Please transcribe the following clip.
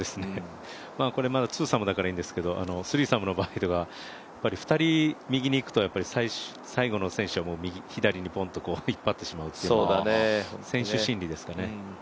これ、ツーサムだからいいんですけどスリーサムとかの場合は２人、右にいくと、最後の選手は左にポンと引っ張ってしまうという選手心理ですかね。